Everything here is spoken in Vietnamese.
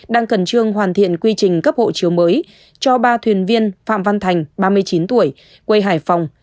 đang khẩn trương hoàn thiện quy trình cấp hộ chiếu mới cho ba thuyền viên phạm văn thành ba mươi chín tuổi quê hải phòng